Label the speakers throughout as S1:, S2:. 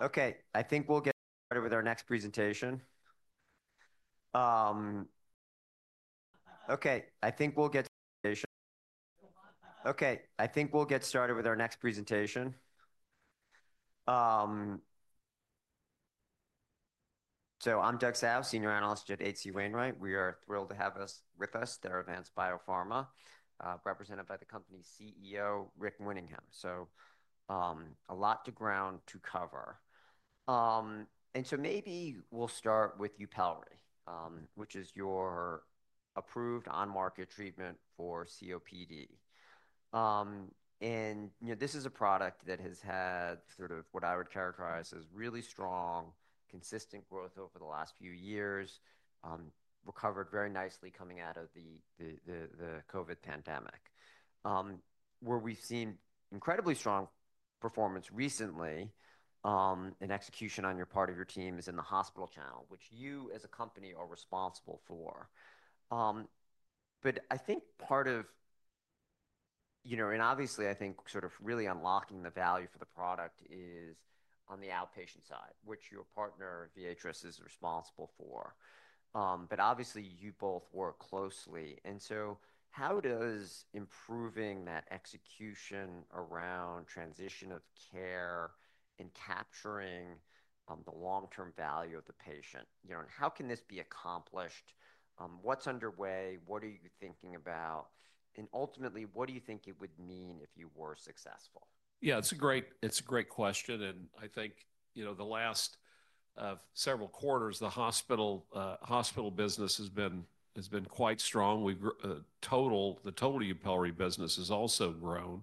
S1: Okay, I think we'll get started with our next presentation. Okay, I think we'll get started with our next presentation. So I'm Doug Tsao, Senior Analyst at HC Wainwright. We are thrilled to have with us Theravance Biopharma, represented by the company's CEO, Rick Winningham. A lot to ground to cover, and maybe we'll start with YUPELRI, which is your approved on-market treatment for COPD. You know, this is a product that has had sort of what I would characterize as really strong, consistent growth over the last few years, recovered very nicely coming out of the COVID pandemic, where we've seen incredibly strong performance recently, and execution on your part of your team is in the hospital channel, which you as a company are responsible for. I think part of, you know, and obviously I think sort of really unlocking the value for the product is on the outpatient side, which your partner, Viatris, is responsible for. Obviously you both work closely. How does improving that execution around transition of care and capturing the long-term value of the patient, you know, and how can this be accomplished? What's underway? What are you thinking about? Ultimately, what do you think it would mean if you were successful?
S2: Yeah, it's a great—it's a great question. I think, you know, the last several quarters, the hospital business has been quite strong. We've—the total YUPELRI business has also grown,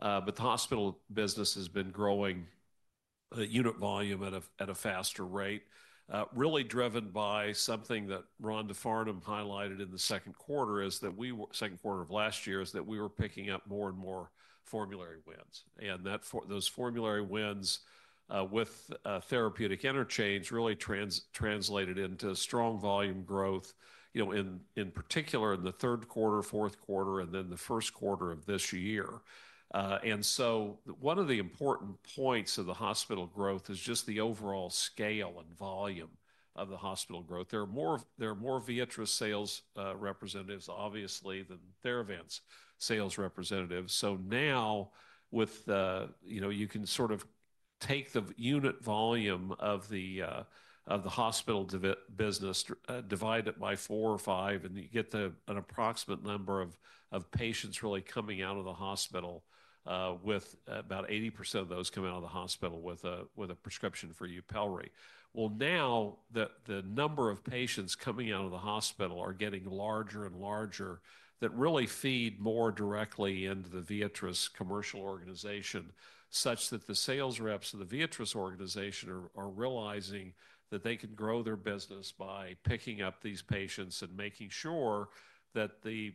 S2: but the hospital business has been growing unit volume at a faster rate, really driven by something that Rhonda Farnum highlighted in the second quarter of last year, that we were picking up more and more formulary wins. For those formulary wins, with therapeutic interchange, it really translated into strong volume growth, you know, in particular in the third quarter, fourth quarter, and then the first quarter of this year. One of the important points of the hospital growth is just the overall scale and volume of the hospital growth. There are more Viatris sales representatives, obviously, than Theravance sales representatives. Now with the, you know, you can sort of take the unit volume of the hospital divi business, divide it by four or five, and you get an approximate number of patients really coming out of the hospital, with about 80% of those coming out of the hospital with a prescription for YUPELRI. Now, the number of patients coming out of the hospital are getting larger and larger that really feed more directly into the Viatris commercial organization, such that the sales reps of the Viatris organization are realizing that they can grow their business by picking up these patients and making sure that the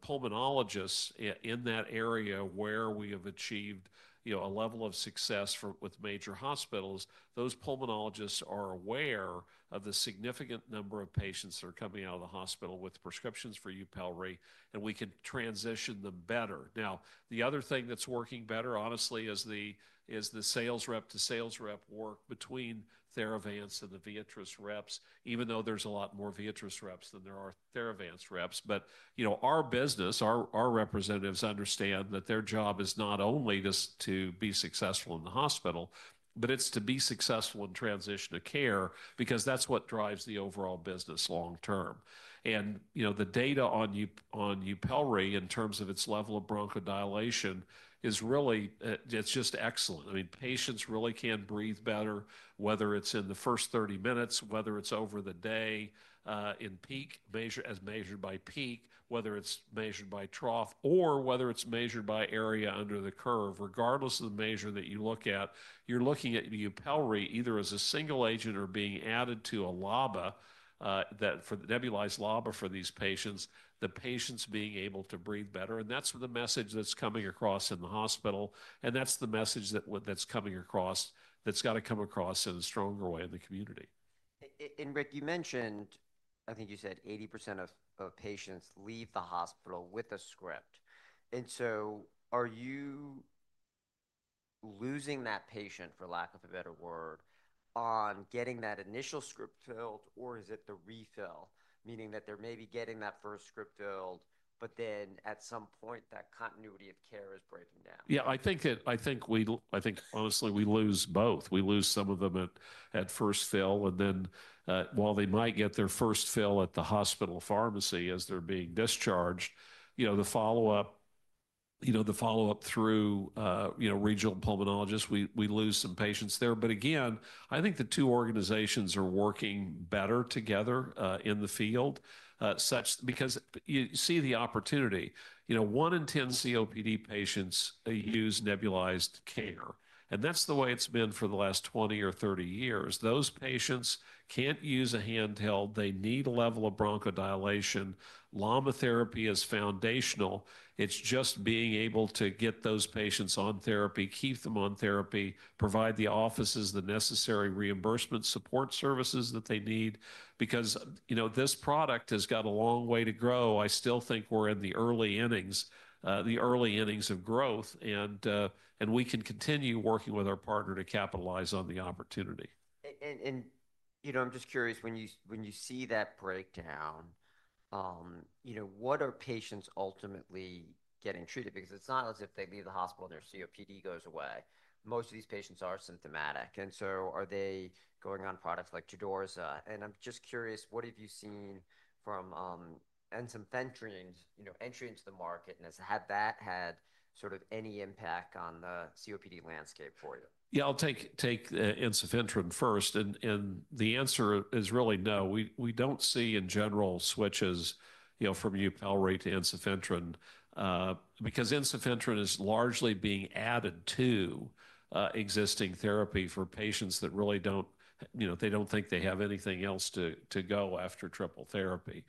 S2: pulmonologists in that area where we have achieved, you know, a level of success with major hospitals, those pulmonologists are aware of the significant number of patients that are coming out of the hospital with prescriptions for YUPELRI, and we can transition them better. The other thing that's working better, honestly, is the sales rep to sales rep work between Theravance and the Viatris reps, even though there's a lot more Viatris reps than there are Theravance reps. You know, our business, our representatives understand that their job is not only to be successful in the hospital, but it's to be successful in transition of care, because that's what drives the overall business long-term. You know, the data on YUPELRI in terms of its level of bronchodilation is really, it's just excellent. I mean, patients really can breathe better, whether it's in the first 30 minutes, whether it's over the day, in peak measure, as measured by peak, whether it's measured by trough, or whether it's measured by area under the curve. Regardless of the measure that you look at, you're looking at YUPELRI either as a single agent or being added to a LABA, that for the nebulized LABA for these patients, the patients being able to breathe better. That's the message that's coming across in the hospital. That's the message that, that's coming across, that's got to come across in a stronger way in the community.
S1: Rick, you mentioned, I think you said 80% of patients leave the hospital with a script. Are you losing that patient, for lack of a better word, on getting that initial script filled, or is it the refill, meaning that they're maybe getting that first script filled, but then at some point that continuity of care is breaking down?
S2: Yeah, I think that, I think we, I think honestly we lose both. We lose some of them at first fill. And then, while they might get their first fill at the hospital pharmacy as they're being discharged, you know, the follow-up, you know, the follow-up through, you know, regional pulmonologists, we lose some patients there. Again, I think the two organizations are working better together in the field, such because you see the opportunity. You know, one in 10 COPD patients use nebulized care. And that's the way it's been for the last 20 or 30 years. Those patients can't use a handheld. They need a level of bronchodilation. LAMA therapy is foundational. It's just being able to get those patients on therapy, keep them on therapy, provide the offices the necessary reimbursement support services that they need, because, you know, this product has got a long way to grow. I still think we're in the early innings, the early innings of growth. We can continue working with our partner to capitalize on the opportunity.
S1: You know, I'm just curious when you see that breakdown, you know, what are patients ultimately getting treated? Because it's not as if they leave the hospital and their COPD goes away. Most of these patients are symptomatic. Are they going on products like Tudorza? I'm just curious, what have you seen from Ensifentrine's entry into the market, and has that had sort of any impact on the COPD landscape for you?
S2: Yeah, I'll take Enzofentran first. The answer is really no. We don't see in general switches, you know, from YUPELRI to Enzofentran, because Enzofentran is largely being added to existing therapy for patients that really don't, you know, they don't think they have anything else to go after triple therapy.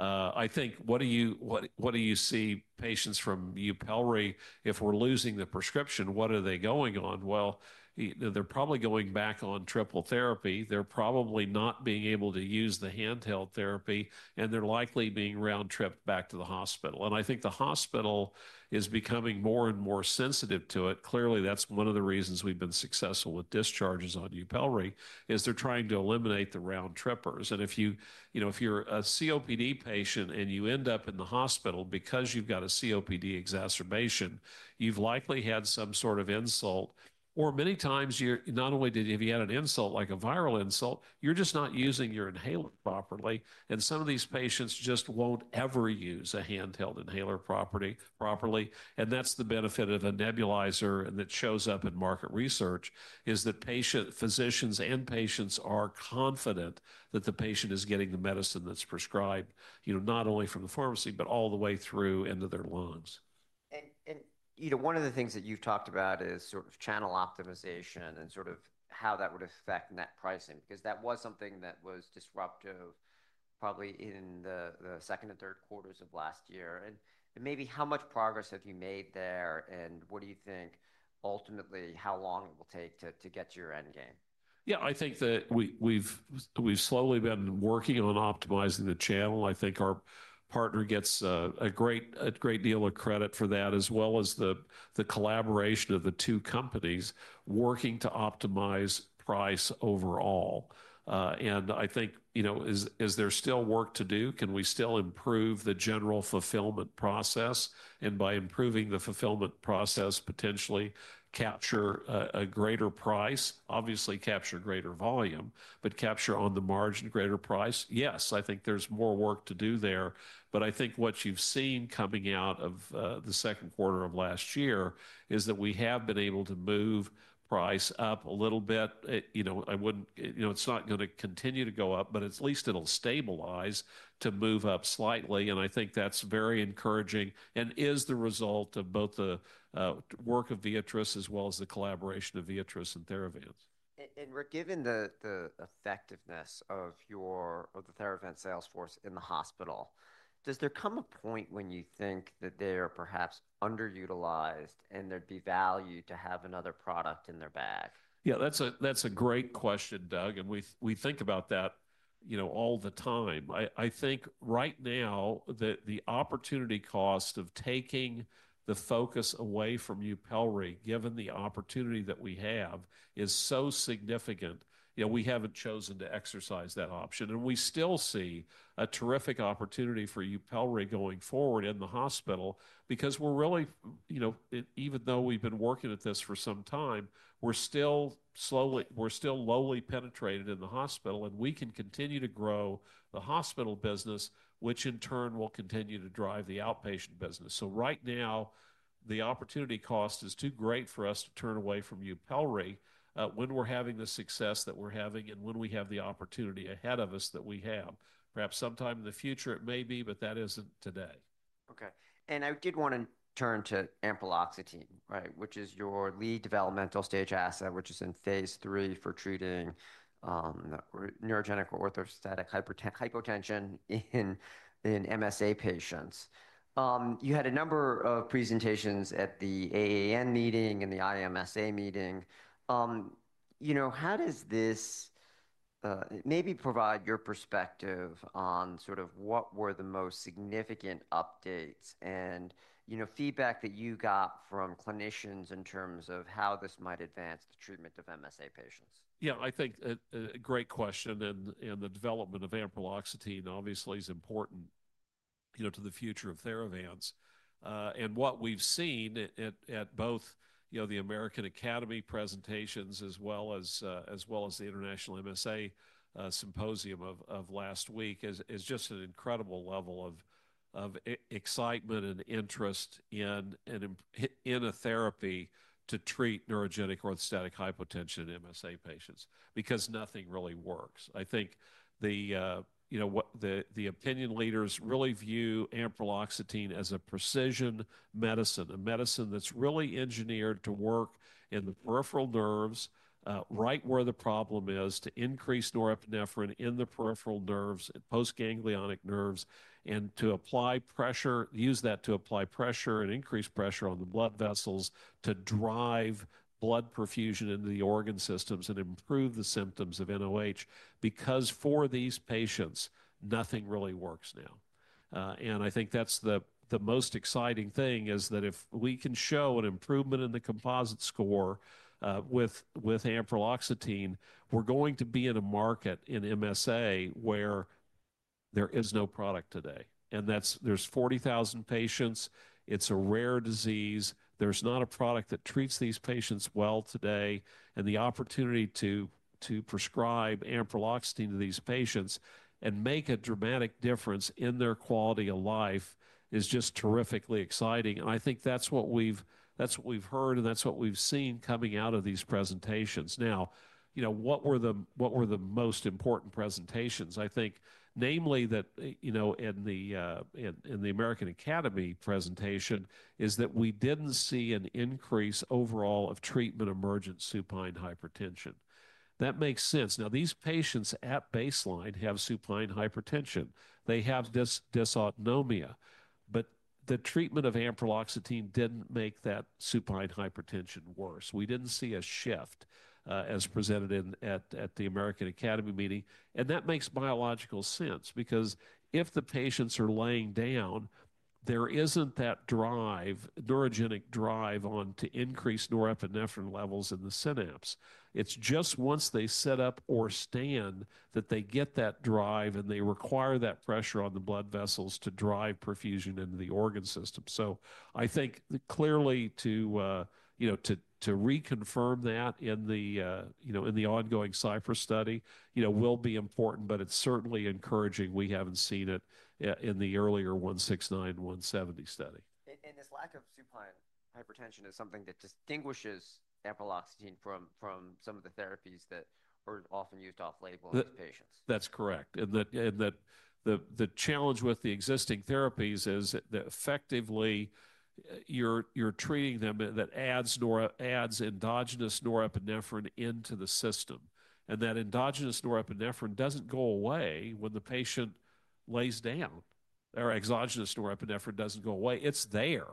S2: I think what do you, what do you see patients from YUPELRI, if we're losing the prescription, what are they going on? You know, they're probably going back on triple therapy. They're probably not being able to use the handheld therapy, and they're likely being round-tripped back to the hospital. I think the hospital is becoming more and more sensitive to it. Clearly, that's one of the reasons we've been successful with discharges on YUPELRI is they're trying to eliminate the round trippers. If you, you know, if you're a COPD patient and you end up in the hospital because you've got a COPD exacerbation, you've likely had some sort of insult, or many times you're not only did, if you had an insult, like a viral insult, you're just not using your inhaler properly. Some of these patients just won't ever use a handheld inhaler properly. That's the benefit of a nebulizer. That shows up in market research is that physicians and patients are confident that the patient is getting the medicine that's prescribed, you know, not only from the pharmacy, but all the way through into their lungs.
S1: You know, one of the things that you've talked about is sort of channel optimization and sort of how that would affect net pricing, because that was something that was disruptive probably in the second and third quarters of last year. Maybe how much progress have you made there? What do you think ultimately how long it will take to get to your end game?
S2: Yeah, I think that we, we've slowly been working on optimizing the channel. I think our partner gets a great, a great deal of credit for that, as well as the collaboration of the two companies working to optimize price overall. I think, you know, is there still work to do? Can we still improve the general fulfillment process? And by improving the fulfillment process, potentially capture a greater price, obviously capture greater volume, but capture on the margin greater price. Yes, I think there's more work to do there. I think what you've seen coming out of the second quarter of last year is that we have been able to move price up a little bit. You know, I wouldn't, you know, it's not going to continue to go up, but at least it'll stabilize to move up slightly. I think that's very encouraging and is the result of both the work of Viatris as well as the collaboration of Viatris and Theravance.
S1: Rick, given the effectiveness of your, of the Theravance Salesforce in the hospital, does there come a point when you think that they are perhaps underutilized and there'd be value to have another product in their bag?
S2: Yeah, that's a great question, Doug. We think about that, you know, all the time. I think right now that the opportunity cost of taking the focus away from YUPELRI, given the opportunity that we have, is so significant. You know, we haven't chosen to exercise that option. We still see a terrific opportunity for YUPELRI going forward in the hospital because we're really, you know, even though we've been working at this for some time, we're still slowly, we're still lowly penetrated in the hospital, and we can continue to grow the hospital business, which in turn will continue to drive the outpatient business. Right now, the opportunity cost is too great for us to turn away from YUPELRI when we're having the success that we're having and when we have the opportunity ahead of us that we have. Perhaps sometime in the future it may be, but that isn't today.
S1: Okay. I did want to turn to Ampreloxetine, right, which is your lead developmental stage asset, which is in phase III for treating neurogenic orthostatic hypotension in MSA patients. You had a number of presentations at the AAN meeting and the IMSA meeting. You know, how does this maybe provide your perspective on sort of what were the most significant updates and, you know, feedback that you got from clinicians in terms of how this might advance the treatment of MSA patients?
S2: Yeah, I think a great question. The development of Ampreloxetine obviously is important, you know, to the future of Theravance. What we've seen at both the American Academy presentations as well as the International MSA Symposium of last week is just an incredible level of excitement and interest in a therapy to treat neurogenic orthostatic hypotension in MSA patients because nothing really works. I think the, you know, what the, the opinion leaders really view Ampreloxetine as a precision medicine, a medicine that's really engineered to work in the peripheral nerves, right where the problem is to increase norepinephrine in the peripheral nerves and postganglionic nerves and to apply pressure, use that to apply pressure and increase pressure on the blood vessels to drive blood perfusion into the organ systems and improve the symptoms of nOH because for these patients, nothing really works now. I think that's the, the most exciting thing is that if we can show an improvement in the composite score, with, with Ampreloxetine, we're going to be in a market in MSA where there is no product today. There's 40,000 patients. It's a rare disease. There's not a product that treats these patients well today. The opportunity to prescribe Ampreloxetine to these patients and make a dramatic difference in their quality of life is just terrifically exciting. I think that's what we've, that's what we've heard and that's what we've seen coming out of these presentations. Now, you know, what were the most important presentations? I think namely that, you know, in the American Academy presentation is that we didn't see an increase overall of treatment emergent supine hypertension. That makes sense. These patients at baseline have supine hypertension. They have dysautonomia, but the treatment of Ampreloxetine didn't make that supine hypertension worse. We didn't see a shift, as presented at the American Academy meeting. That makes biological sense because if the patients are laying down, there isn't that drive, neurogenic drive on to increase norepinephrine levels in the synapse. It's just once they sit up or stand that they get that drive and they require that pressure on the blood vessels to drive perfusion into the organ system. I think clearly to, you know, reconfirm that in the, you know, in the ongoing Cipher study will be important, but it's certainly encouraging. We haven't seen it in the earlier 169, 170 study.
S1: This lack of supine hypertension is something that distinguishes Ampreloxetine from some of the therapies that are often used off label in patients.
S2: That's correct. The challenge with the existing therapies is that effectively you're treating them that adds endogenous norepinephrine into the system. That endogenous norepinephrine doesn't go away when the patient lays down or exogenous norepinephrine doesn't go away. It's there.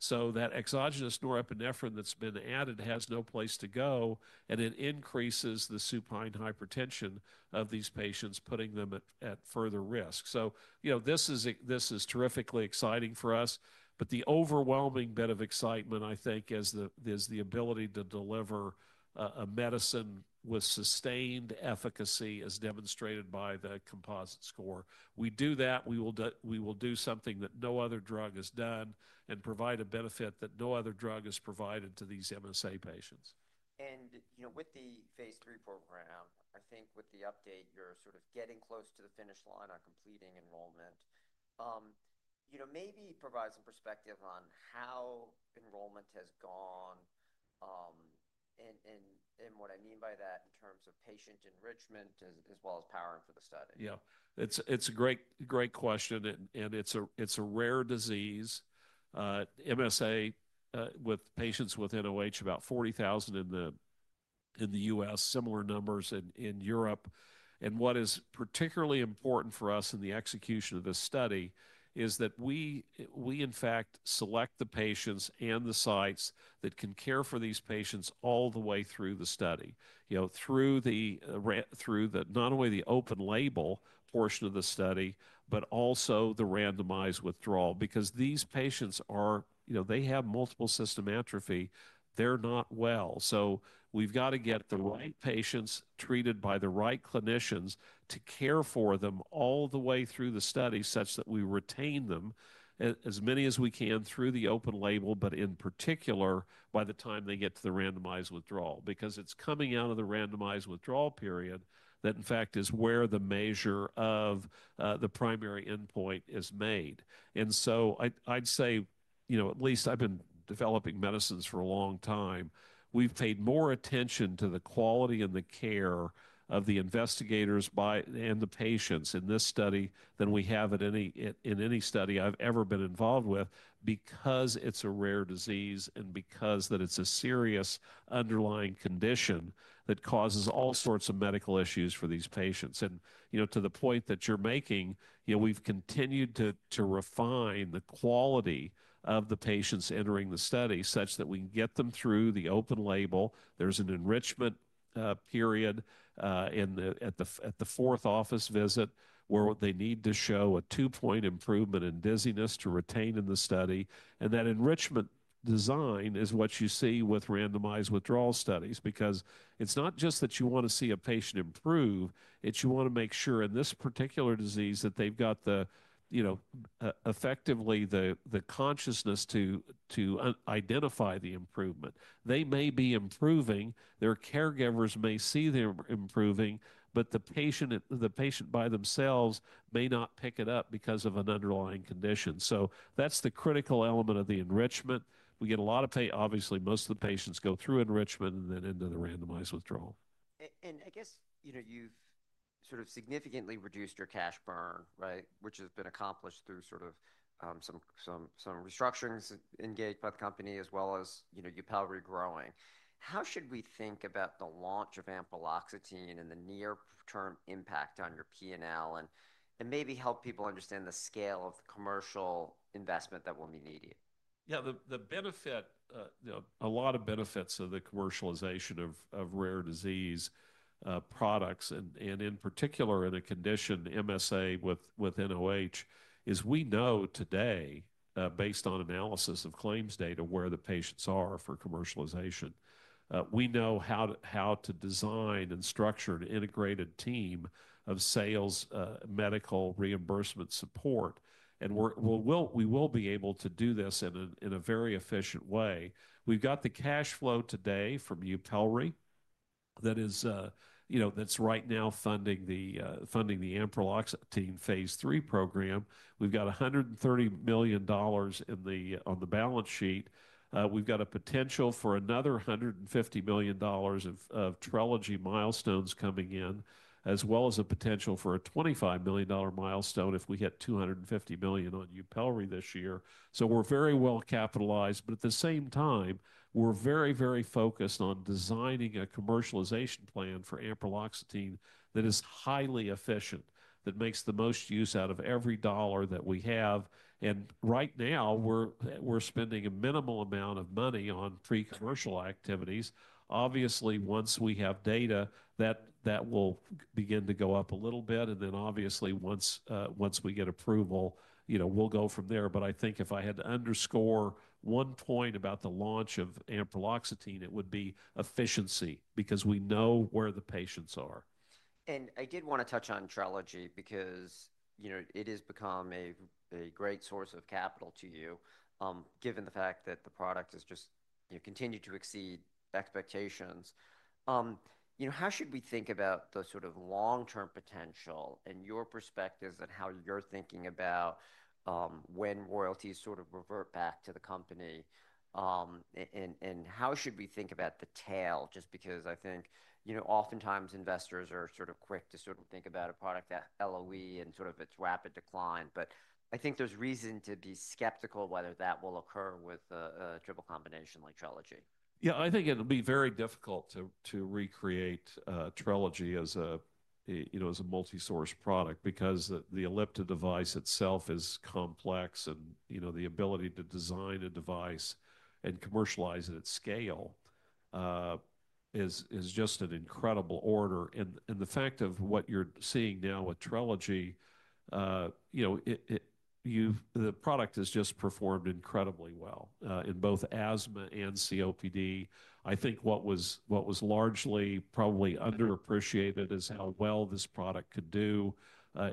S2: That exogenous norepinephrine that's been added has no place to go. It increases the supine hypertension of these patients, putting them at further risk. You know, this is terrifically exciting for us, but the overwhelming bit of excitement, I think, is the ability to deliver a medicine with sustained efficacy as demonstrated by the composite score. We do that. We will do something that no other drug has done and provide a benefit that no other drug has provided to these MSA patients.
S1: You know, with the phase three program, I think with the update, you're sort of getting close to the finish line on completing enrollment. You know, maybe provide some perspective on how enrollment has gone, and what I mean by that in terms of patient enrichment as well as powering for the study.
S2: Yeah, it's a great, great question. It's a rare disease. MSA, with patients with nOH, about 40,000 in the US, similar numbers in Europe. What is particularly important for us in the execution of this study is that we, in fact, select the patients and the sites that can care for these patients all the way through the study, you know, through not only the open label portion of the study, but also the randomized withdrawal, because these patients are, you know, they have multiple system atrophy. They're not well. We've got to get the right patients treated by the right clinicians to care for them all the way through the study such that we retain them, as many as we can, through the open label, but in particular by the time they get to the randomized withdrawal, because it's coming out of the randomized withdrawal period that in fact is where the measure of the primary endpoint is made. I'd say, you know, at least I've been developing medicines for a long time. We've paid more attention to the quality and the care of the investigators and the patients in this study than we have in any study I've ever been involved with because it's a rare disease and because it's a serious underlying condition that causes all sorts of medical issues for these patients. You know, to the point that you're making, we've continued to refine the quality of the patients entering the study such that we can get them through the open label. There's an enrichment period at the fourth office visit where they need to show a two-point improvement in dizziness to retain in the study. That enrichment design is what you see with randomized withdrawal studies because it's not just that you want to see a patient improve, you want to make sure in this particular disease that they've got the, you know, effectively the consciousness to identify the improvement. They may be improving. Their caregivers may see them improving, but the patient, the patient by themselves may not pick it up because of an underlying condition. That's the critical element of the enrichment. We get a lot of pain. Obviously, most of the patients go through enrichment and then into the randomized withdrawal.
S1: I guess, you know, you've sort of significantly reduced your cash burn, right? Which has been accomplished through sort of some restructurings engaged by the company as well as, you know, YUPELRI growing. How should we think about the launch of Ampreloxetine and the near-term impact on your P&L and maybe help people understand the scale of the commercial investment that will be needed?
S2: Yeah, the benefit, you know, a lot of benefits of the commercialization of rare disease products and, and in particular in a condition MSA with nOH is we know today, based on analysis of claims data where the patients are for commercialization, we know how to design and structure an integrated team of sales, medical reimbursement support. We will be able to do this in a very efficient way. We've got the cash flow today from YUPELRI that is, you know, that's right now funding the, funding the Ampreloxetine phase III program. We've got $130 million on the balance sheet. We've got a potential for another $150 million of Trelegy milestones coming in, as well as a potential for a $25 million milestone if we hit $250 million on YUPELRI this year. We're very well capitalized, but at the same time, we're very, very focused on designing a commercialization plan for Ampreloxetine that is highly efficient, that makes the most use out of every dollar that we have. Right now we're spending a minimal amount of money on pre-commercial activities. Obviously, once we have data, that will begin to go up a little bit. Obviously, once we get approval, you know, we'll go from there. I think if I had to underscore one point about the launch of Ampreloxetine, it would be efficiency because we know where the patients are.
S1: I did want to touch on Trelegy because, you know, it has become a great source of capital to you, given the fact that the product has just, you know, continued to exceed expectations. You know, how should we think about the sort of long-term potential and your perspectives and how you're thinking about when royalties sort of revert back to the company? And how should we think about the tail? Just because I think, you know, oftentimes investors are sort of quick to sort of think about a product at LOE and sort of its rapid decline, but I think there's reason to be skeptical whether that will occur with a triple combination like Trelegy.
S2: Yeah, I think it'll be very difficult to recreate Trelegy as a, you know, as a multi-source product because the Ellipta device itself is complex and, you know, the ability to design a device and commercialize it at scale is just an incredible order. The fact of what you're seeing now with Trelegy, you know, it, the product has just performed incredibly well in both asthma and COPD. I think what was largely probably underappreciated is how well this product could do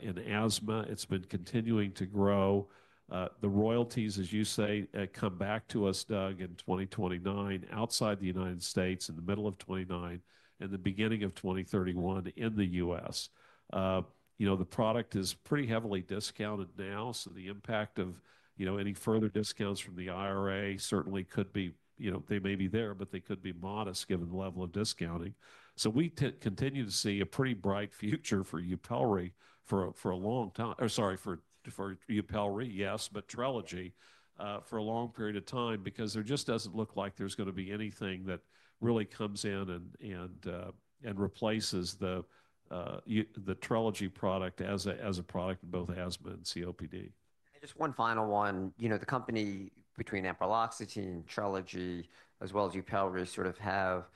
S2: in asthma. It's been continuing to grow. The royalties, as you say, come back to us, Doug, in 2029 outside the United States in the middle of 2029 and the beginning of 2031 in the U.S.. You know, the product is pretty heavily discounted now. The impact of, you know, any further discounts from the IRA certainly could be, you know, they may be there, but they could be modest given the level of discounting. We continue to see a pretty bright future for YUPELRI, yes, but Trelegy, for a long period of time because there just does not look like there is going to be anything that really comes in and replaces the Trelegy product as a product in both asthma and COPD.
S1: Just one final one, you know, the company between Ampreloxetine, Trelegy, as well as YUPELRI sort of have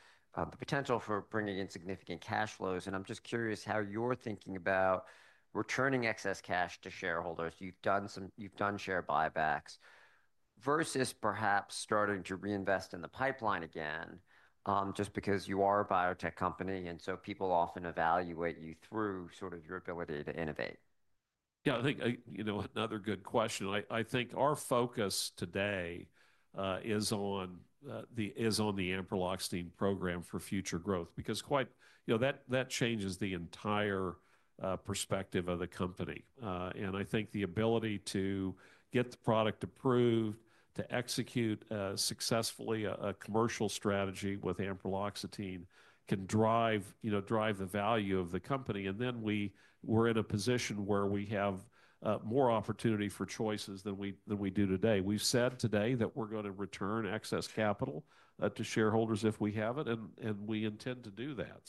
S1: the potential for bringing in significant cash flows. I'm just curious how you're thinking about returning excess cash to shareholders. You've done some, you've done share buybacks versus perhaps starting to reinvest in the pipeline again, just because you are a biotech company. People often evaluate you through sort of your ability to innovate.
S2: Yeah, I think, you know, another good question. I think our focus today is on the Ampreloxetine program for future growth because quite, you know, that changes the entire perspective of the company. I think the ability to get the product approved, to execute successfully a commercial strategy with Ampreloxetine can drive, you know, drive the value of the company. We are in a position where we have more opportunity for choices than we do today. We have said today that we are going to return excess capital to shareholders if we have it. We intend to do that.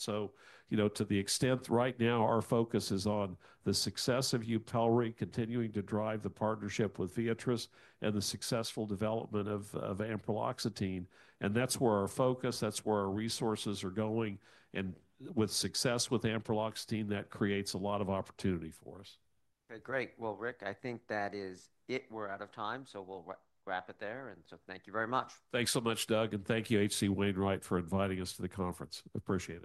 S2: You know, to the extent right now, our focus is on the success of YUPELRI, continuing to drive the partnership with Viatris and the successful development of Ampreloxetine. That is where our focus, that is where our resources are going. And with success with Ampreloxetine, that creates a lot of opportunity for us.
S1: Okay, great. Rick, I think that is it. We're out of time. We'll wrap it there. Thank you very much.
S2: Thanks so much, Doug. Thank you, HC Wainwright, for inviting us to the conference. Appreciate it.